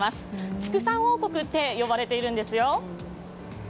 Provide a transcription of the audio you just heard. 畜産王国と呼ばれているんですよ。